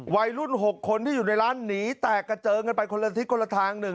วัยรุ่น๖คนที่อยู่ในร้านหนีแตกกระเจิงกันไปคนละทิศคนละทางหนึ่ง